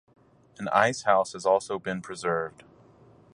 An icehouse has also been preserved.